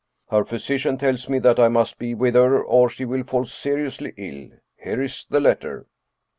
Her physician tells me that I must be with her or she will fall seriously ill. Here is the letter."